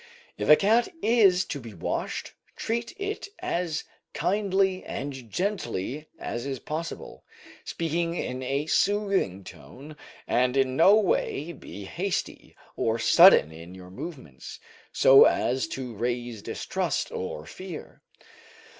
If a cat is to be washed, treat it as kindly and gently as is possible, speaking in a soothing tone, and in no way be hasty or sudden in your movements, so as to raise distrust or fear.